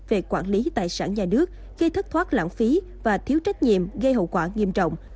về quản lý tài sản nhà nước gây thất thoát lãng phí và thiếu trách nhiệm gây hậu quả nghiêm trọng